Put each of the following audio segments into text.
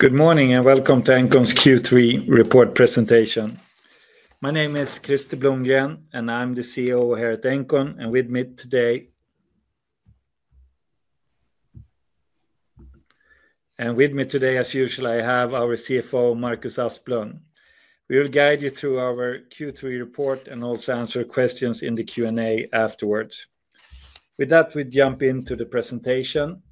Good morning and welcome to Engcon's Q3 report presentation. My name is Krister Blomgren, and I'm the CEO here at Engcon. With me today, as usual, I have our CFO, Marcus Asplund. We will guide you through our Q3 report and also answer questions in the Q&A afterwards. With that, we jump into the presentation.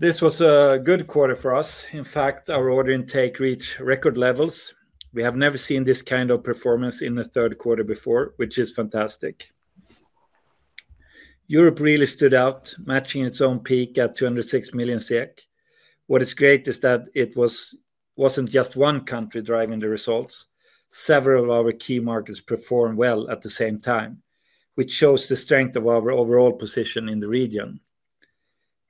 This was a good quarter for us. In fact, our order intake reached record levels. We have never seen this kind of performance in the third quarter before, which is fantastic. Europe really stood out, matching its own peak at $206 million. What is great is that it wasn't just one country driving the results. Several of our key markets performed well at the same time, which shows the strength of our overall position in the region.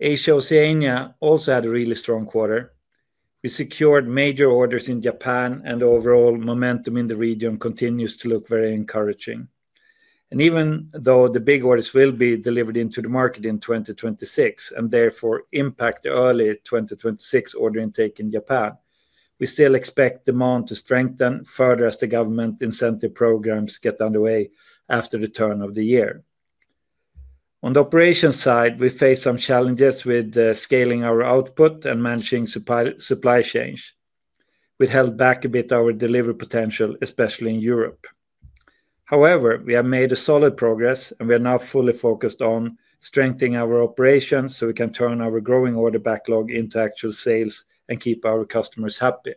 Asia-Oceania also had a really strong quarter. We secured major orders in Japan, and overall momentum in the region continues to look very encouraging. Even though the big orders will be delivered into the market in 2026 and therefore impact the early 2026 order intake in Japan, we still expect demand to strengthen further as the government incentive programs get underway after the turn of the year. On the operations side, we face some challenges with scaling our output and managing supply chains. We've held back a bit our delivery potential, especially in Europe. However, we have made solid progress, and we are now fully focused on strengthening our operations so we can turn our growing order backlog into actual sales and keep our customers happy.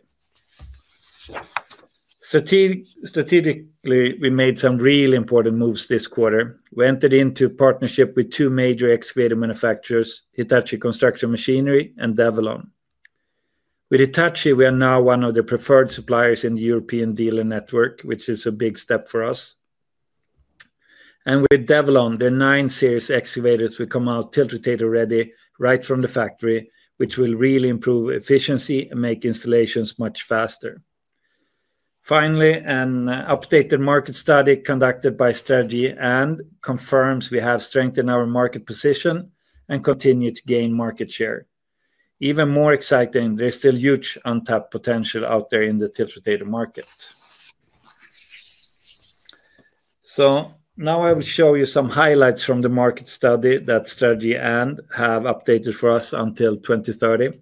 Strategically, we made some really important moves this quarter. We entered into a partnership with two major excavator manufacturers, Hitachi Construction Machinery and Develon. With Hitachi, we are now one of the preferred suppliers in the European dealer network, which is a big step for us. With Develon, their nine series excavators will come out tiltrotator ready right from the factory, which will really improve efficiency and make installations much faster. Finally, an updated market study conducted by Strategy& confirms we have strengthened our market position and continue to gain market share. Even more exciting, there's still huge untapped potential out there in the tiltrotator market. Now I will show you some highlights from the market study that Strategy& have updated for us until 2030.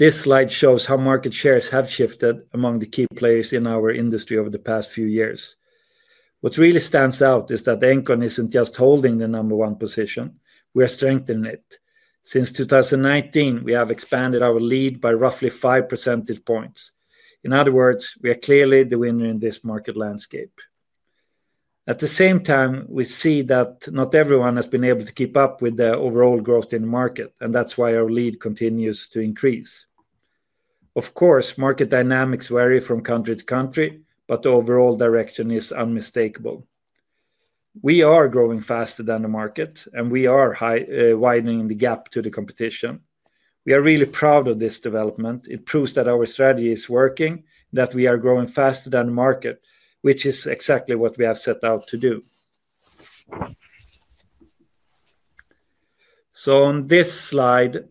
This slide shows how market shares have shifted among the key players in our industry over the past few years. What really stands out is that Engcon isn't just holding the number one position, we are strengthening it. Since 2019, we have expanded our lead by roughly five percentage points. In other words, we are clearly the winner in this market landscape. At the same time, we see that not everyone has been able to keep up with the overall growth in the market, and that's why our lead continues to increase. Of course, market dynamics vary from country to country, but the overall direction is unmistakable. We are growing faster than the market, and we are widening the gap to the competition. We are really proud of this development. It proves that our strategy is working, that we are growing faster than the market, which is exactly what we have set out to do. On this slide,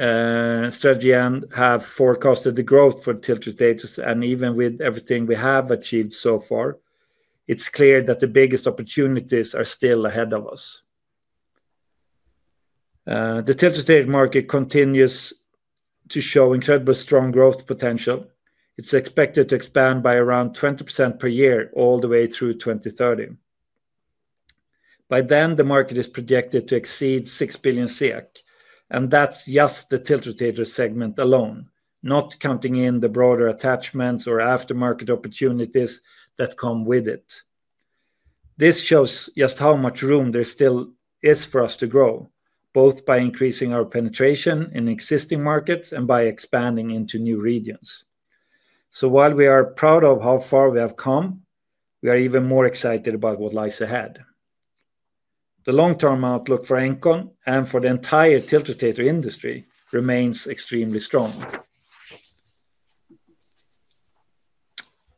Strategy& have forecasted the growth for the tiltrotators, and even with everything we have achieved so far, it's clear that the biggest opportunities are still ahead of us. The tiltrotator market continues to show incredibly strong growth potential. It's expected to expand by around 20% per year all the way through 2030. By then, the market is projected to exceed 6 billion SEK. That's just the tiltrotator segment alone, not counting in the broader attachments or aftermarket opportunities that come with it. This shows just how much room there still is for us to grow, both by increasing our penetration in existing markets and by expanding into new regions. While we are proud of how far we have come, we are even more excited about what lies ahead. The long-term outlook for Engcon and for the entire tiltrotator industry remains extremely strong.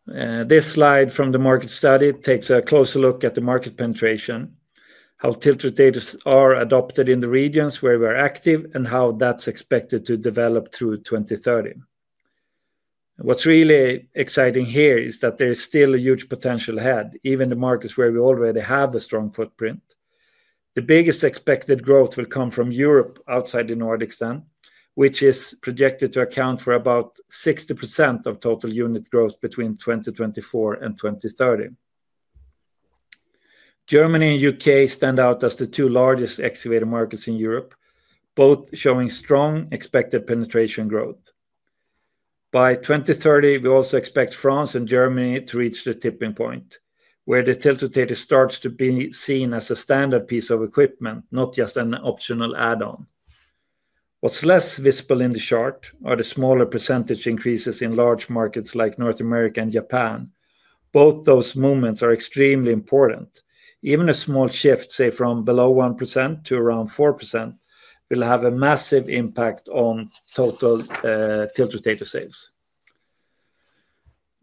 This slide from the market study takes a closer look at the market penetration, how tiltrotators are adopted in the regions where we are active, and how that's expected to develop through 2030. What's really exciting here is that there is still a huge potential ahead, even in the markets where we already have a strong footprint. The biggest expected growth will come from Europe outside the Nordics, which is projected to account for about 60% of total unit growth between 2024 and 2030. Germany and the U.K. stand out as the two largest excavator markets in Europe, both showing strong expected penetration growth. By 2030, we also expect France and Germany to reach the tipping point, where the tiltrotator starts to be seen as a standard piece of equipment, not just an optional add-on. What's less visible in the chart are the smaller percentage increases in large markets like North America and Japan. Both those moments are extremely important. Even a small shift, say, from below 1% to around 4%, will have a massive impact on total tiltrotator sales.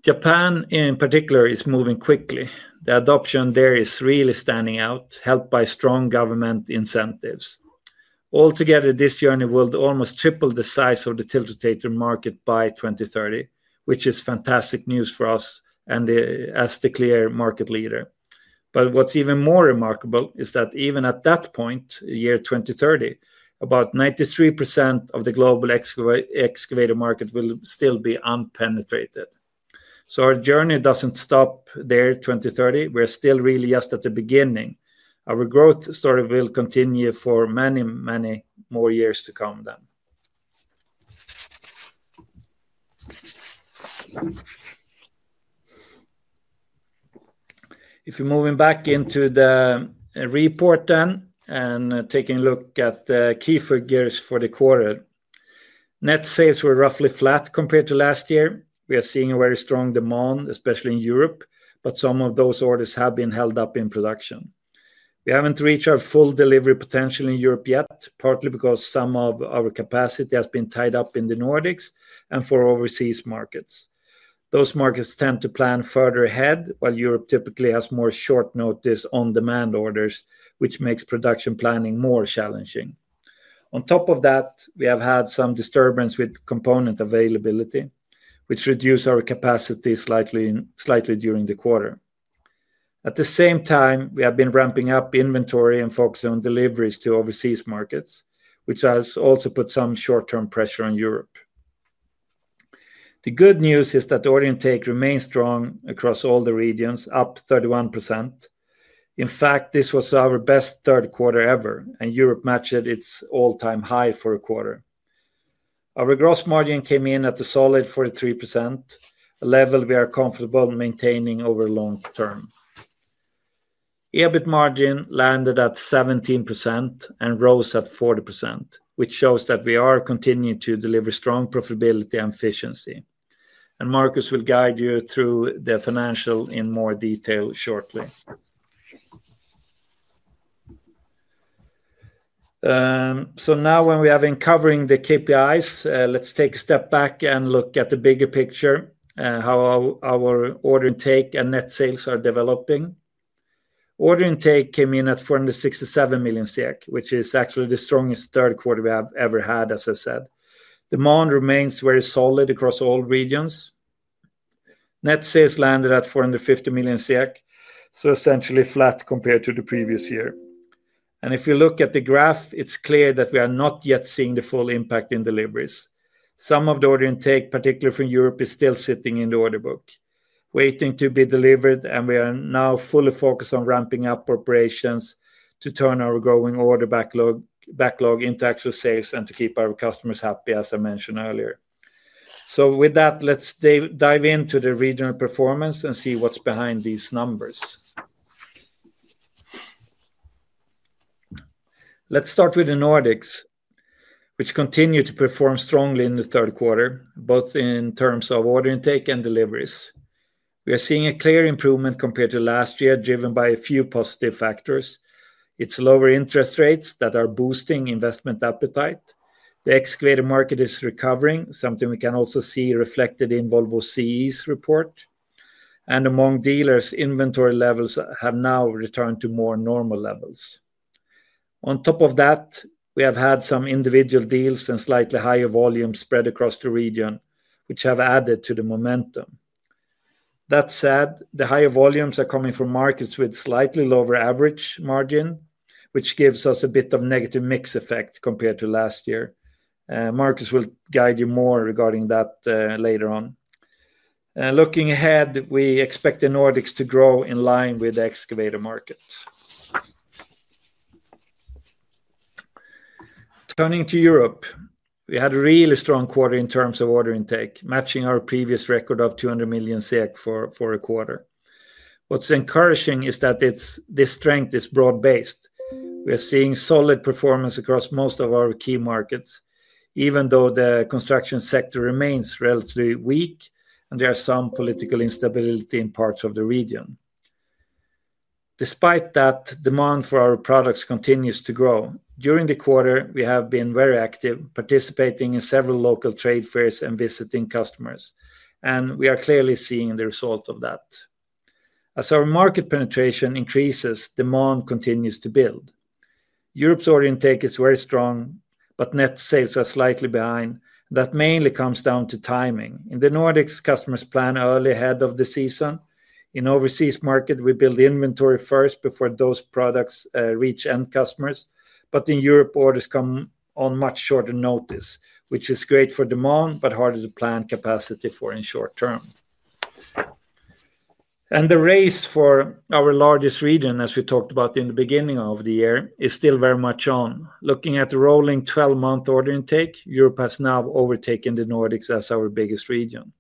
Japan in particular is moving quickly. The adoption there is really standing out, helped by strong government incentives. Altogether, this journey will almost triple the size of the tiltrotator market by 2030, which is fantastic news for us as the clear market leader. What's even more remarkable is that even at that point, year 2030, about 93% of the global excavator market will still be unpenetrated. Our journey doesn't stop there in 2030. We are still really just at the beginning. Our growth story will continue for many, many more years to come then. If you're moving back into the report then and taking a look at the key figures for the quarter, net sales were roughly flat compared to last year. We are seeing a very strong demand, especially in Europe, but some of those orders have been held up in production. We haven't reached our full delivery potential in Europe yet, partly because some of our capacity has been tied up in the Nordics and for overseas markets. Those markets tend to plan further ahead, while Europe typically has more short notice on demand orders, which makes production planning more challenging. On top of that, we have had some disturbance with component availability, which reduced our capacity slightly during the quarter. At the same time, we have been ramping up inventory and focusing on deliveries to overseas markets, which has also put some short-term pressure on Europe. The good news is that order intake remains strong across all the regions, up 31%. In fact, this was our best third quarter ever, and Europe matched its all-time high for a quarter. Our gross margin came in at a solid 43%, a level we are comfortable maintaining over the long term. EBIT margin landed at 17% and rose at 40%, which shows that we are continuing to deliver strong profitability and efficiency. Marcus will guide you through the financials in more detail shortly. Now, when we have been covering the KPIs, let's take a step back and look at the bigger picture, how our order intake and net sales are developing. Order intake came in at 467 million SEK, which is actually the strongest third quarter we have ever had, as I said. Demand remains very solid across all regions. Net sales landed at 450 million, so essentially flat compared to the previous year. If you look at the graph, it's clear that we are not yet seeing the full impact in deliveries. Some of the order intake, particularly from Europe, is still sitting in the order book, waiting to be delivered. We are now fully focused on ramping up operations to turn our growing order backlog into actual sales and to keep our customers happy, as I mentioned earlier. With that, let's dive into the regional performance and see what's behind these numbers. Let's start with the Nordics, which continue to perform strongly in the third quarter, both in terms of order intake and deliveries. We are seeing a clear improvement compared to last year, driven by a few positive factors. It's lower interest rates that are boosting investment appetite. The excavator market is recovering, something we can also see reflected in Volvo CE's report. Among dealers, inventory levels have now returned to more normal levels. On top of that, we have had some individual deals and slightly higher volumes spread across the region, which have added to the momentum. That said, the higher volumes are coming from markets with slightly lower average margin, which gives us a bit of a negative mix effect compared to last year. Marcus will guide you more regarding that later on. Looking ahead, we expect the Nordics to grow in line with the excavator market. Turning to Europe, we had a really strong quarter in terms of order intake, matching our previous record of 200 million SEK for a quarter. What's encouraging is that this strength is broad-based. We are seeing solid performance across most of our key markets, even though the construction sector remains relatively weak, and there is some political instability in parts of the region. Despite that, demand for our products continues to grow. During the quarter, we have been very active, participating in several local trade fairs and visiting customers. We are clearly seeing the result of that. As our market penetration increases, demand continues to build. Europe's order intake is very strong, but net sales are slightly behind. That mainly comes down to timing. In the Nordics, customers plan early ahead of the season. In the overseas market, we build inventory first before those products reach end customers. In Europe, orders come on much shorter notice, which is great for demand, but harder to plan capacity for in the short term. The race for our largest region, as we talked about in the beginning of the year, is still very much on. Looking at the rolling 12-month order intake, Europe has now overtaken the Nordics as our biggest region.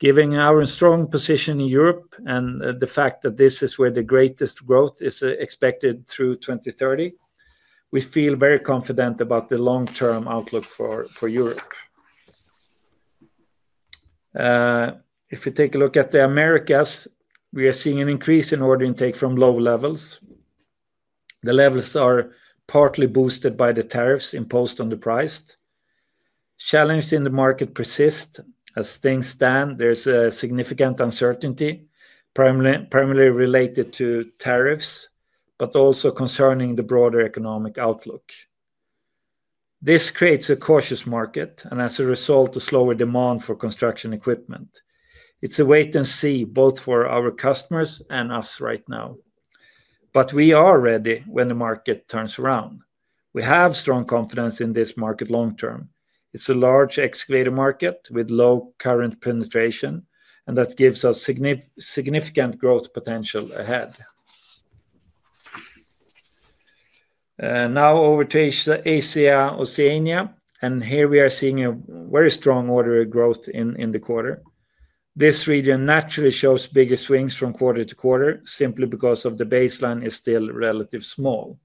Given our strong position in Europe and the fact that this is where the greatest growth is expected through 2030, we feel very confident about the long-term outlook for Europe. If we take a look at the Americas, we are seeing an increase in order intake from low levels. The levels are partly boosted by the tariffs imposed on the price. Challenges in the market persist. As things stand, there's a significant uncertainty, primarily related to tariffs, but also concerning the broader economic outlook. This creates a cautious market, and as a result, a slower demand for construction equipment. It's a wait and see, both for our customers and us right now. We are ready when the market turns around. We have strong confidence in this market long term. It's a large excavator market with low current penetration, and that gives us significant growth potential ahead. Now over to Asia-Oceania, and here we are seeing a very strong order growth in the quarter. This region naturally shows bigger swings from quarter to quarter, simply because the baseline is still relatively small.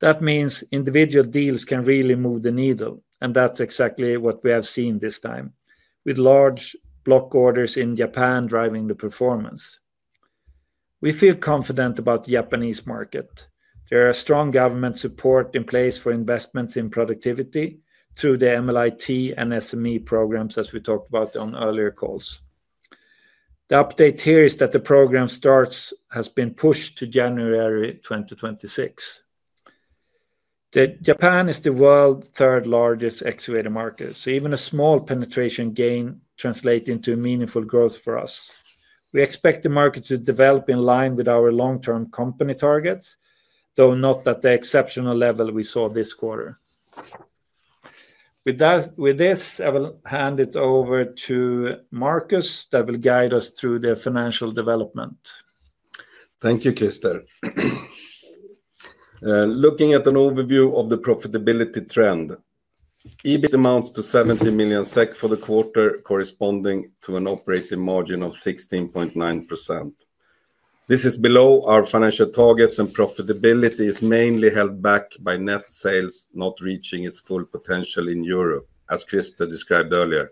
That means individual deals can really move the needle, and that's exactly what we have seen this time, with large block orders in Japan driving the performance. We feel confident about the Japanese market. There is strong government support in place for investments in productivity through the MLIT and SME programs, as we talked about on earlier calls. The update here is that the program start has been pushed to January 2026. Japan is the world's third-largest excavator market, so even a small penetration gain translates into meaningful growth for us. We expect the market to develop in line with our long-term company targets, though not at the exceptional level we saw this quarter. With this, I will hand it over to Marcus that will guide us through the financial development. Thank you, Krister. Looking at an overview of the profitability trend, EBIT amounts to 70 million SEK for the quarter, corresponding to an operating margin of 16.9%. This is below our financial targets, and profitability is mainly held back by net sales not reaching its full potential in Europe, as Krister described earlier.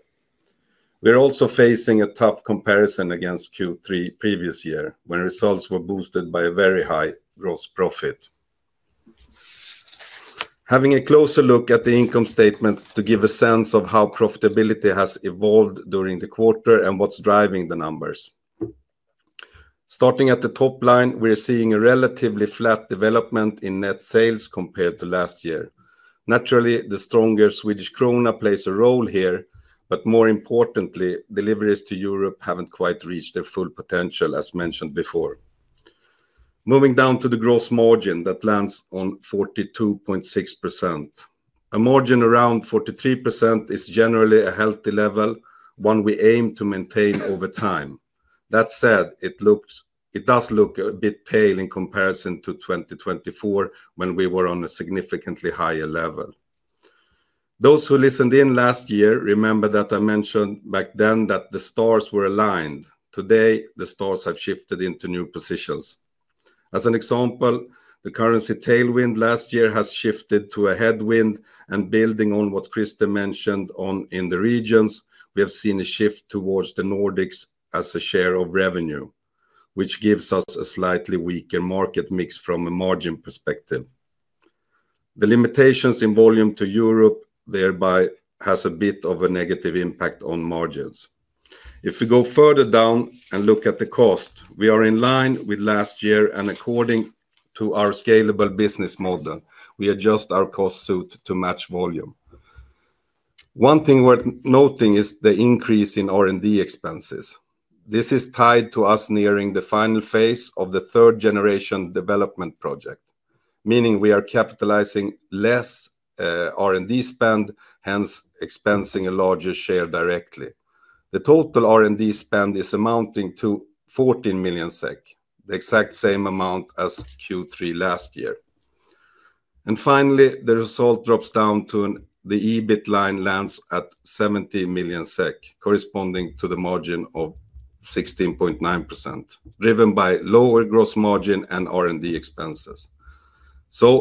We are also facing a tough comparison against Q3 previous year, when results were boosted by a very high gross profit. Having a closer look at the income statement to give a sense of how profitability has evolved during the quarter and what's driving the numbers. Starting at the top line, we are seeing a relatively flat development in net sales compared to last year. Naturally, the stronger Swedish krona plays a role here, but more importantly, deliveries to Europe haven't quite reached their full potential, as mentioned before. Moving down to the gross margin, that lands on 42.6%. A margin around 43% is generally a healthy level, one we aim to maintain over time. That said, it does look a bit pale in comparison to 2024, when we were on a significantly higher level. Those who listened in last year remember that I mentioned back then that the stars were aligned. Today, the stars have shifted into new positions. As an example, the currency tailwind last year has shifted to a headwind, and building on what Krister mentioned in the regions, we have seen a shift towards the Nordics as a share of revenue, which gives us a slightly weaker market mix from a margin perspective. The limitations in volume to Europe thereby have a bit of a negative impact on margins. If we go further down and look at the cost, we are in line with last year, and according to our scalable business model, we adjust our cost suit to match volume. One thing worth noting is the increase in R&D expenses. This is tied to us nearing the final phase of the third-generation development project, meaning we are capitalizing less R&D spend, hence expensing a larger share directly. The total R&D spend is amounting to 14 million SEK, the exact same amount as Q3 last year. Finally, the result drops down to the EBIT line lands at 70 million SEK, corresponding to the margin of 16.9%, driven by lower gross margin and R&D expenses.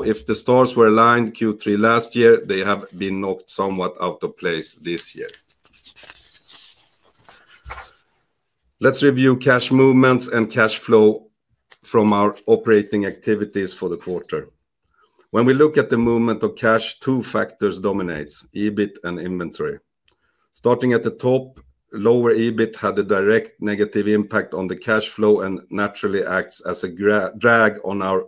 If the stars were aligned Q3 last year, they have been knocked somewhat out of place this year. Let's review cash movements and cash flow from our operating activities for the quarter. When we look at the movement of cash, two factors dominate, EBIT and inventory. Starting at the top, lower EBIT had a direct negative impact on the cash flow and naturally acts as a drag on our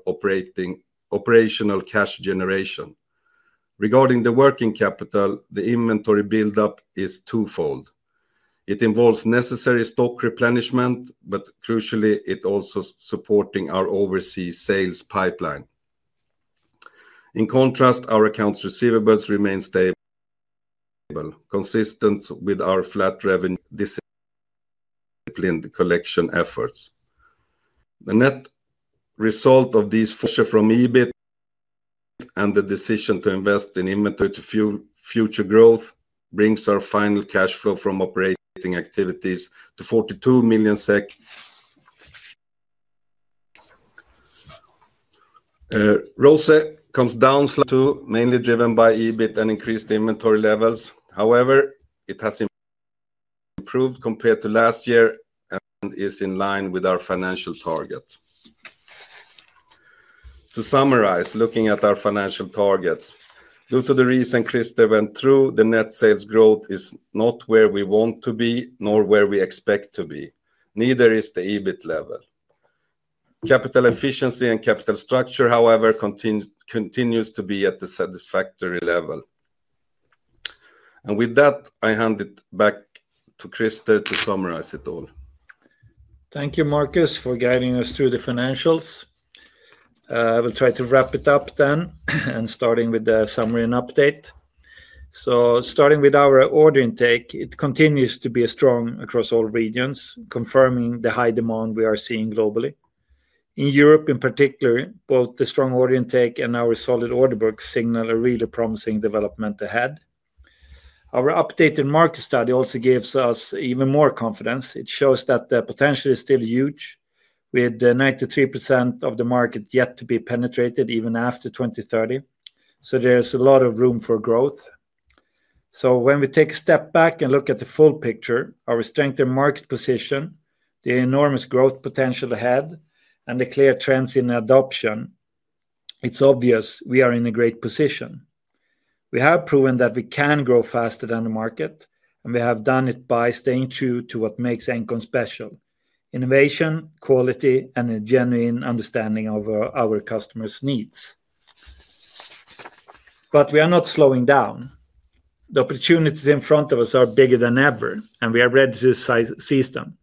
operational cash generation. Regarding the working capital, the inventory build-up is twofold. It involves necessary stock replenishment, but crucially, it's also supporting our overseas sales pipeline. In contrast, our accounts receivables remain stable, consistent with our flat revenue disciplined collection efforts. The net result of these from EBIT and the decision to invest in inventory to fuel future growth brings our final cash flow from operating activities to 42 million SEK. Growth comes down to mainly driven by EBIT and increased inventory levels. However, it has improved compared to last year and is in line with our financial targets. To summarize, looking at our financial targets, due to the reason Krister went through, the net sales growth is not where we want to be, nor where we expect to be, neither is the EBIT level. Capital efficiency and capital structure, however, continue to be at a satisfactory level. With that, I hand it back to Krister to summarize it all. Thank you, Marcus, for guiding us through the financials. I will try to wrap it up then, starting with a summary and update. Starting with our order intake, it continues to be strong across all regions, confirming the high demand we are seeing globally. In Europe in particular, both the strong order intake and our solid order book signal a really promising development ahead. Our updated market study also gives us even more confidence. It shows that the potential is still huge, with 93% of the market yet to be penetrated even after 2030. There is a lot of room for growth. When we take a step back and look at the full picture, our strengthened market position, the enormous growth potential ahead, and the clear trends in adoption, it is obvious we are in a great position. We have proven that we can grow faster than the market, and we have done it by staying true to what makes Engcon special: innovation, quality, and a genuine understanding of our customers' needs. We are not slowing down. The opportunities in front of us are bigger than ever, and we are ready to seize them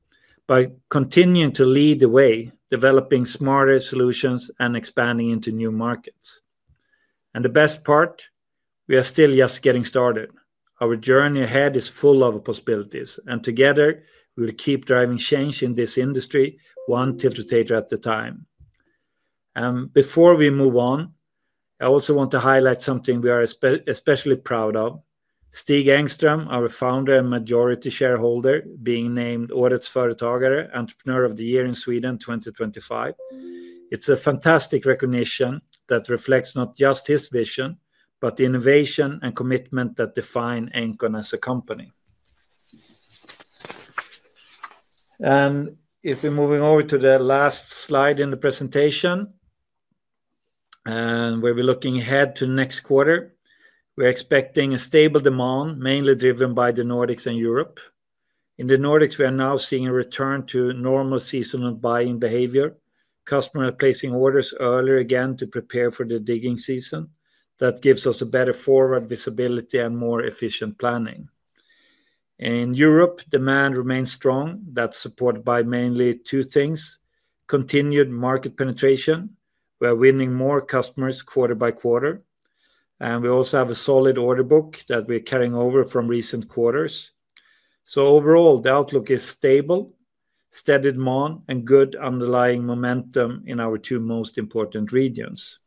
by continuing to lead the way, developing smarter solutions, and expanding into new markets. The best part is we are still just getting started. Our journey ahead is full of possibilities, and together, we will keep driving change in this industry, one tiltrotator at a time. Before we move on, I also want to highlight something we are especially proud of. Stig Engström, our founder and majority shareholder, being named Årets Företagare, Entrepreneur of the Year in Sweden 2025. It is a fantastic recognition that reflects not just his vision, but the innovation and commitment that define Engcon as a company. If we are moving over to the last slide in the presentation, and we will be looking ahead to the next quarter, we are expecting a stable demand, mainly driven by the Nordics and Europe. In the Nordics, we are now seeing a return to normal seasonal buying behavior. Customers are placing orders earlier again to prepare for the digging season. That gives us a better forward visibility and more efficient planning. In Europe, demand remains strong. That is supported by mainly two things: continued market penetration. We are winning more customers quarter by quarter. We also have a solid order book that we are carrying over from recent quarters. Overall, the outlook is stable, steady demand, and good underlying momentum in our two most important regions.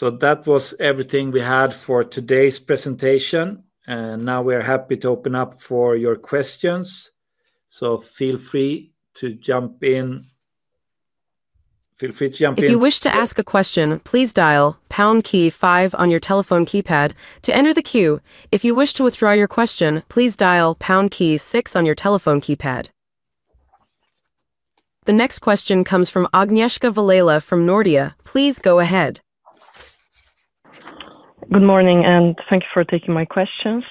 That was everything we had for today's presentation. We are happy to open up for your questions. Feel free to jump in. If you wish to ask a question, please dial pound key five on your telephone keypad to enter the queue. If you wish to withdraw your question, please dial pound key six on your telephone keypad. The next question comes from Agnieszka Valela from Nordea. Please go ahead. Good morning, and thank you for taking my questions.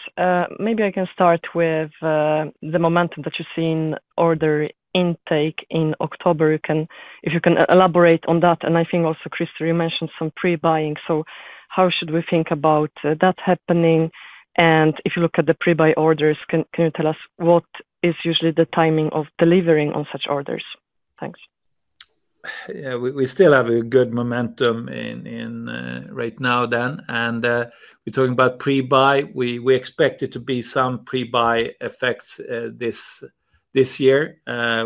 Maybe I can start with the momentum that you see in order intake in October. If you can elaborate on that, I think also, Krister, you mentioned some pre-buying. How should we think about that happening? If you look at the pre-buy orders, can you tell us what is usually the timing of delivering on such orders? Thanks. Yeah, we still have a good momentum right now. We're talking about pre-buy. We expect it to be some pre-buy effects this year.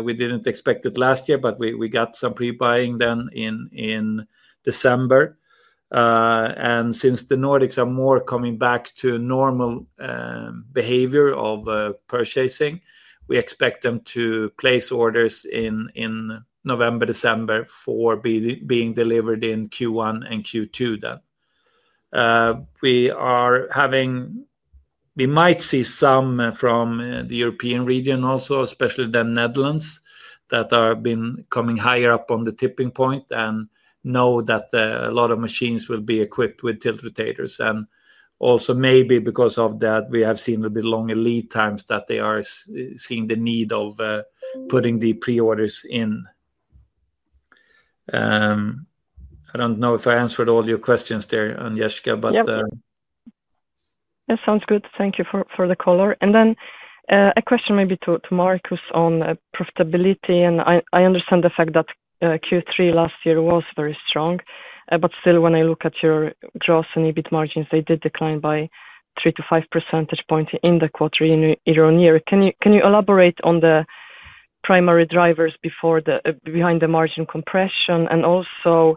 We didn't expect it last year, but we got some pre-buying then in December. Since the Nordics are more coming back to normal behavior of purchasing, we expect them to place orders in November, December for being delivered in Q1 and Q2. We might see some from the European region also, especially the Netherlands that have been coming higher up on the tipping point and know that a lot of machines will be equipped with tiltrotators. Also, maybe because of that, we have seen a bit longer lead times that they are seeing the need of putting the pre-orders in. I don't know if I answered all your questions there, Agnieszka, but. Yeah, that sounds good. Thank you for the caller. A question maybe to Marcus on profitability. I understand the fact that Q3 last year was very strong. When I look at your gross and EBIT margins, they did decline by 3%-5% in the quarter year on year. Can you elaborate on the primary drivers behind the margin compression? Also,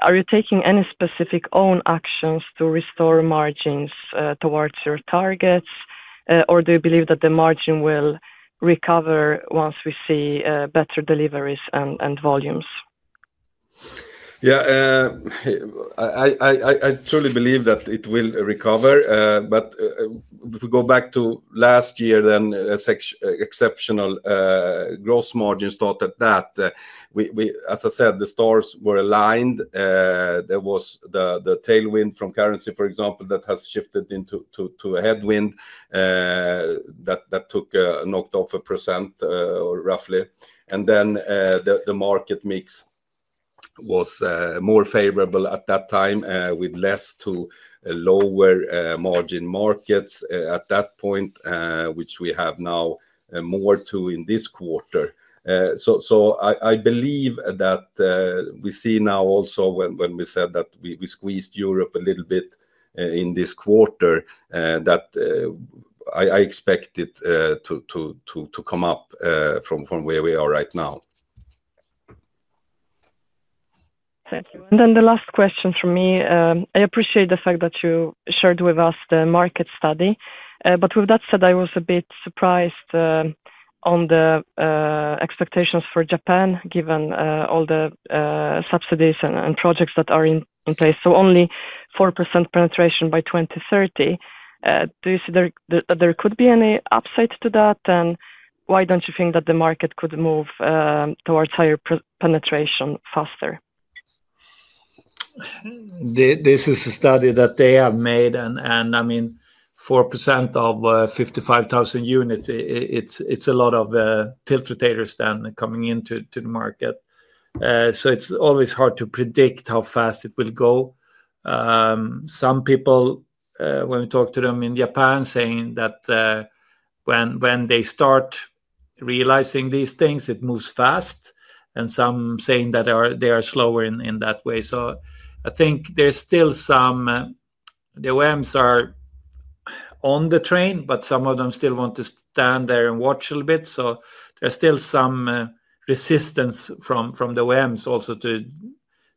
are you taking any specific own actions to restore margins towards your targets? Do you believe that the margin will recover once we see better deliveries and volumes? Yeah, I truly believe that it will recover. If we go back to last year, exceptional gross margins started that. As I said, the stars were aligned. There was the tailwind from currency, for example, that has shifted into a headwind that took a knocked off a percentage, roughly. The market mix was more favorable at that time, with less to lower margin markets at that point, which we have now more to in this quarter. I believe that we see now also when we said that we squeezed Europe a little bit in this quarter, that I expect it to come up from where we are right now. Thank you. The last question from me. I appreciate the fact that you shared with us the market study. With that said, I was a bit surprised on the expectations for Japan, given all the subsidies and projects that are in place. Only 4% penetration by 2030. Do you see that there could be any upside to that? Why don't you think that the market could move towards higher penetration faster? This is a study that they have made. I mean, 4% of 55,000 units, it's a lot of tiltrotators then coming into the market. It's always hard to predict how fast it will go. Some people, when we talk to them in Japan, say that when they start realizing these things, it moves fast. Some say that they are slower in that way. I think there's still some, the OEMs are on the train, but some of them still want to stand there and watch a little bit. There's still some resistance from the OEMs also to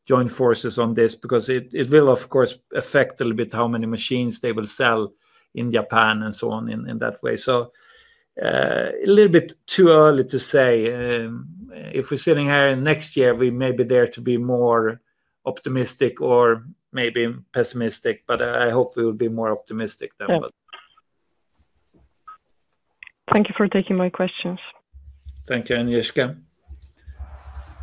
join forces on this because it will, of course, affect a little bit how many machines they will sell in Japan and so on in that way. It's a little bit too early to say. If we're sitting here next year, we may be there to be more optimistic or maybe pessimistic, but I hope we will be more optimistic then. Thank you for taking my questions. Thank you, Agnieszka.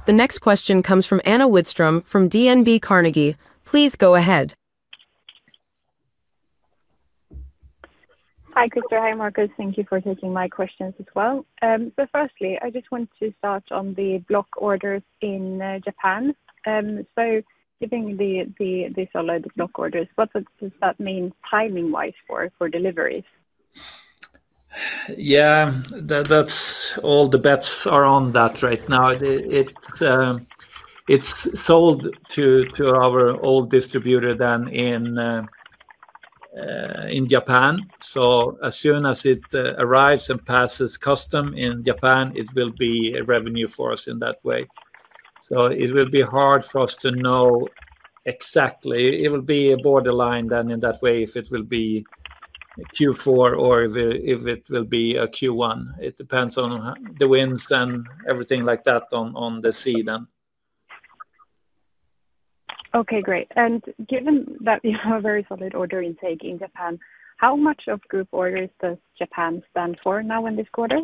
The next question comes from Anne Vågström from DNB Carnegie. Please go ahead. Hi, Krister. Hi, Marcus. Thank you for taking my questions as well. Firstly, I just want to start on the block orders in Japan. Given the solid block orders, what does that mean timing-wise for deliveries? Yeah, that's all the bets are on that right now. It's sold to our old distributor in Japan. As soon as it arrives and passes customs in Japan, it will be a revenue for us in that way. It will be hard for us to know exactly. It will be a borderline in that way if it will be a Q4 or if it will be a Q1. It depends on the winds and everything like that on the sea. Okay, great. Given that you have a very solid order intake in Japan, how much of group orders does Japan stand for now in this quarter?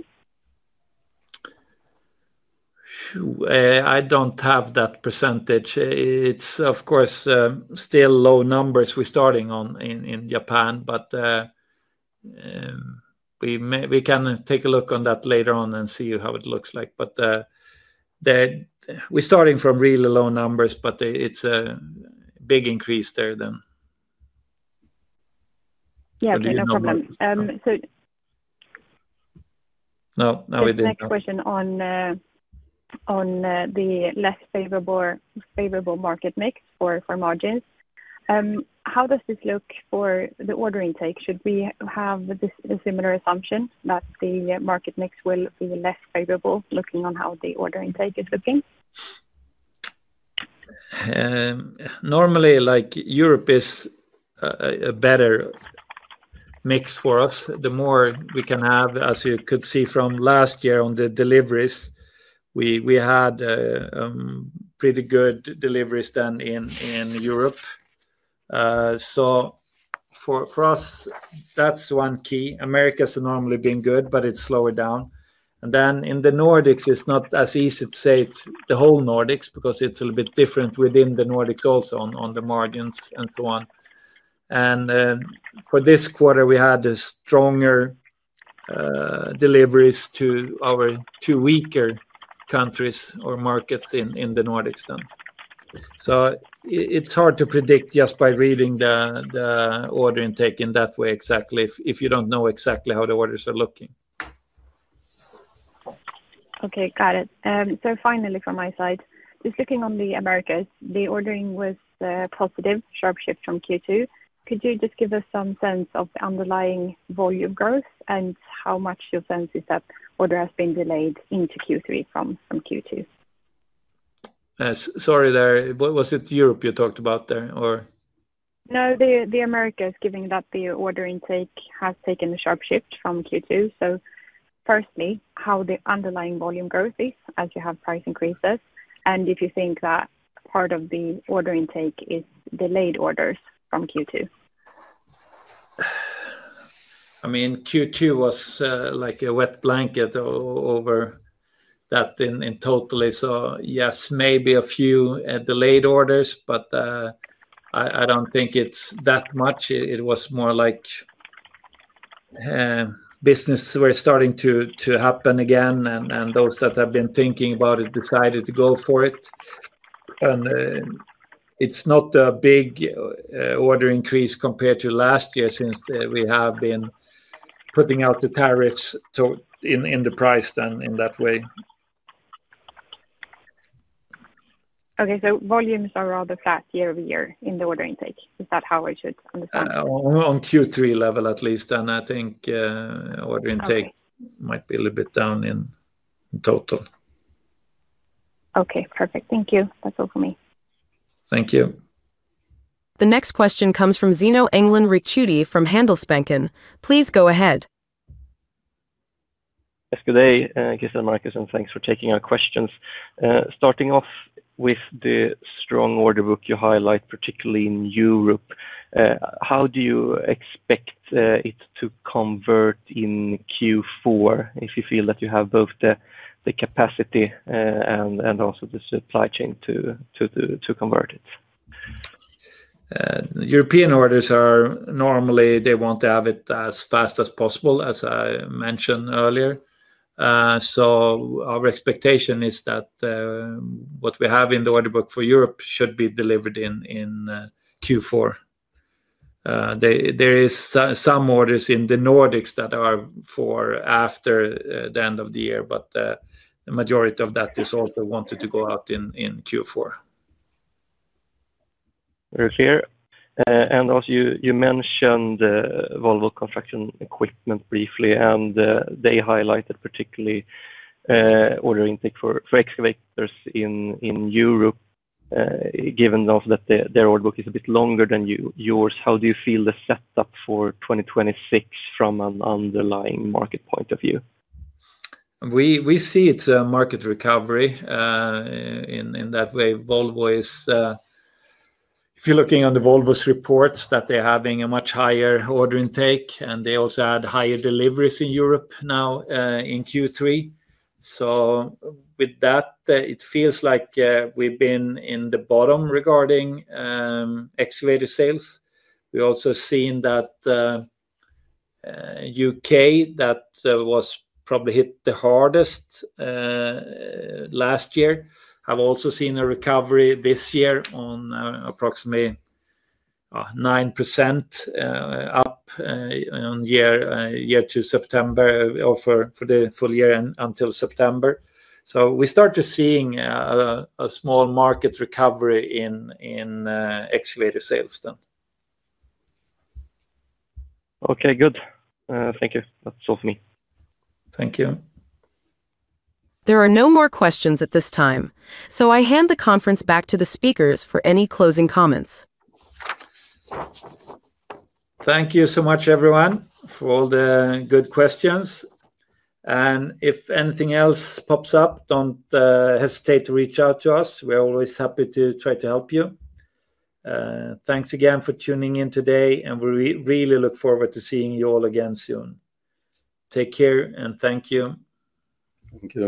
I don't have that percentage. It's, of course, still low numbers we're starting on in Japan, but we can take a look on that later on and see how it looks like. We're starting from really low numbers, but it's a big increase there then. Yeah, no problem. Now we did. The next question on the less favorable market mix for margins. How does this look for the order intake? Should we have a similar assumption that the market mix will be less favorable looking on how the order intake is looking? Normally, like Europe is a better mix for us. The more we can have, as you could see from last year on the deliveries, we had pretty good deliveries then in Europe. For us, that's one key. America has normally been good, but it's slower down. In the Nordics, it's not as easy to say the whole Nordics because it's a little bit different within the Nordics also on the margins and so on. For this quarter, we had stronger deliveries to our two weaker countries or markets in the Nordics then. It's hard to predict just by reading the order intake in that way exactly if you don't know exactly how the orders are looking. Okay, got it. Finally, from my side, just looking on the Americas, the ordering was positive, sharp shift from Q2. Could you just give us some sense of the underlying volume growth and how much your sense is that order has been delayed into Q3 from Q2? Sorry there. Was it Europe you talked about there, or? The Americas, given that the order intake has taken a sharp shift from Q2, how the underlying volume growth is as you have price increases, and if you think that part of the order intake is delayed orders from Q2. Q2 was like a wet blanket over that in totally. Yes, maybe a few delayed orders, but I don't think it's that much. It was more like business were starting to happen again, and those that have been thinking about it decided to go for it. It's not a big order increase compared to last year since we have been putting out the tariffs in the price then in that way. Okay, so volumes are rather flat year-over-year in the order intake. Is that how I should understand it? On Q3 level, at least. I think order intake might be a little bit down in total. Okay, perfect. Thank you. That's all for me. Thank you. The next question comes from Zeno Englund Ricciuti from Handelsbanken. Please go ahead. Good day, Krister and Marcus. Thanks for taking our questions. Starting off with the strong order book you highlight, particularly in Europe, how do you expect it to convert in Q4 if you feel that you have both the capacity and also the supply chain to convert it? European orders are normally, they want to have it as fast as possible, as I mentioned earlier. Our expectation is that what we have in the order book for Europe should be delivered in Q4. There are some orders in the Nordics that are for after the end of the year, but the majority of that is also wanted to go out in Q4. Very clear. You mentioned Volvo Construction Equipment briefly, and they highlighted particularly order intake for excavators in Europe. Given that their order book is a bit longer than yours, how do you feel the setup for 2026 from an underlying market point of view? We see it's a market recovery in that way. If you're looking on the Volvo reports, they're having a much higher order intake, and they also had higher deliveries in Europe now in Q3. With that, it feels like we've been in the bottom regarding excavator sales. We've also seen that U.K., that was probably hit the hardest last year, have also seen a recovery this year on approximately 9% up on year to September for the full year until September. We started seeing a small market recovery in excavator sales then. Okay, good. Thank you. That's all for me. Thank you. There are no more questions at this time. I hand the conference back to the speakers for any closing comments. Thank you so much, everyone, for all the good questions. If anything else pops up, don't hesitate to reach out to us. We're always happy to try to help you. Thanks again for tuning in today, and we really look forward to seeing you all again soon. Take care, and thank you. Thank you.